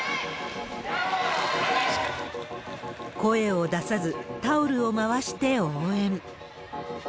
声を出さず、タオルを回して応援。